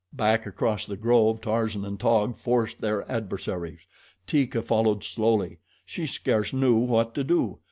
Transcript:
Back across the grove Tarzan and Taug forced their adversaries. Teeka followed slowly. She scarce knew what to do.